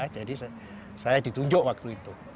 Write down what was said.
jadi saya ditujuk waktu itu